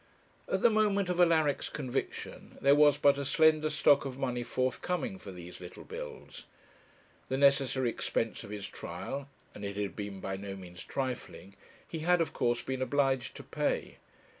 At the moment of Alaric's conviction, there was but a slender stock of money forthcoming for these little bills. The necessary expense of his trial, and it had been by no means trifling, he had, of course, been obliged to pay.